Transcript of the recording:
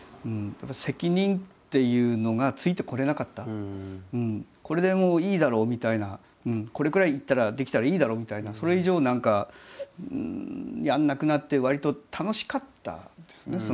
だからこれでもういいだろうみたいなこれくらいいったらできたらいいだろうみたいな。それ以上何かやらなくなってわりと楽しかったんですね